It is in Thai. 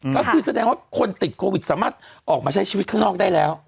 ก็คือแสดงว่าคนติดโควิดสามารถออกมาใช้ชีวิตข้างนอกได้แล้ว